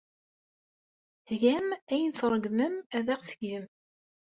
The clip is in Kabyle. Tgam ayen ay tṛeggmem ad aɣ-t-tgem.